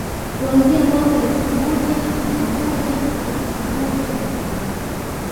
kuanzia mwaka elfu moja mia moja hadi elfu moja mia tano